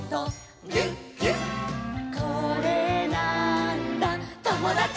「これなーんだ『ともだち！』」